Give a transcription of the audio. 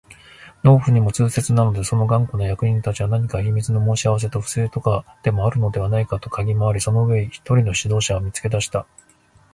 農夫にも痛切なので、その頑固な役人たちは何か秘密の申し合せとか不正とかでもあるのではないかとかぎ廻り、その上、一人の指導者を見つけ出した